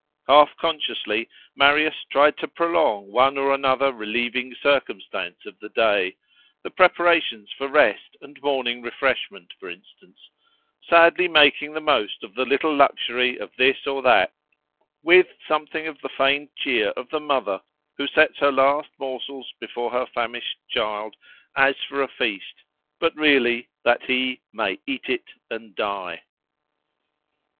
Half consciously Marius tried to prolong one or another relieving circumstance of the day, the preparations for rest and morning refreshment, for instance; sadly making the most of the little luxury of this or that, with something of the feigned cheer of the mother who sets her last morsels before her famished child as for a feast, but really that he "may eat it and die."